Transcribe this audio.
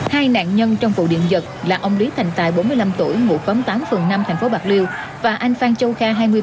hai nạn nhân trong vụ điện giật là ông lý thành tài bốn mươi năm tuổi ngụ phóng tám phường năm tp bạc liêu